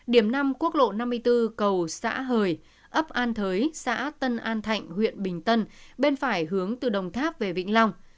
điểm năm quốc lộ năm mươi bốn cầu xã hời ấp an thới xã tân an thạnh huyện bình tân bên phải hướng từ đồng tháp về vĩnh long